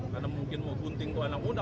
karena mungkin mau gunting itu anak muda